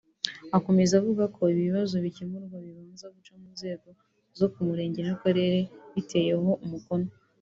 Akomeza avuga ko ibi bibazo bikemurwa bibanza guca mu nzego zo ku murenge n’akarere biteyeho umukono